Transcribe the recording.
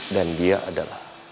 dan dia adalah